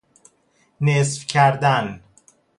نصف کردن